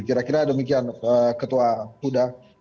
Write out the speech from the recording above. kira kira demikian ketua puda